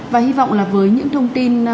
và hy vọng là với những thông tin